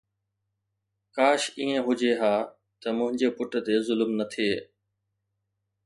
ڪاش ائين هجي ها ته منهنجي پٽ تي ظلم نه ٿئي